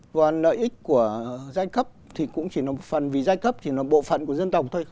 và lợi ích của giai cấp thì cũng chỉ là một phần vì giai cấp chỉ là một bộ phận của dân tộc thôi